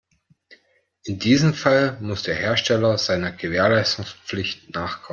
In diesem Fall muss der Hersteller seiner Gewährleistungspflicht nachkommen.